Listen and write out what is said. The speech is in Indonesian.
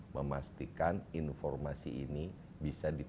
memastikan informasi ini bisa